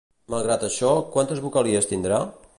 Malgrat això, quantes vocalies tindrà?